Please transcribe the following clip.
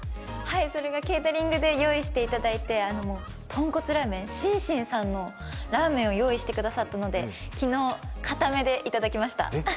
それがケータリングで用意していただいてとんこつラーメン、しんしんさんのラーメンを用意してくださったので昨日いただきました。